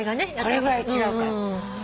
これぐらい違うから。